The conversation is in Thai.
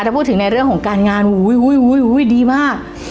ถ้าพูดถึงในเรื่องของการงานโอ้ยโอ้ยโอ้ยโอ้ยดีมาก